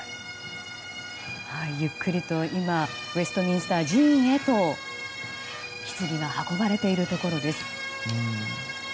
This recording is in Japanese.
ゆっくりとウェストミンスター寺院へとひつぎが運ばれているところです。